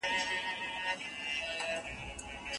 که په املا کي نوي کلمې وي نو ذهن ته پاته کېږي.